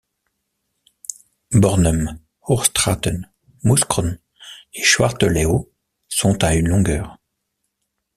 Bornem, Hoogstraten, Mouscron et Zwarte Leeuw sont à une longueur.